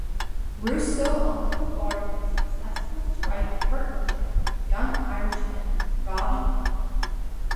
Roussel also formed a successful strike partnership with young Irishman Robbie Keane.